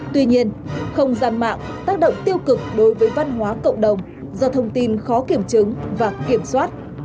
tuy nhiên không gian mạng tác động tiêu cực đối với văn hóa cộng đồng do thông tin khó kiểm chứng và kiểm soát